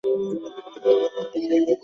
Sonic নামের সজারু bubble bath পছন্দ করে।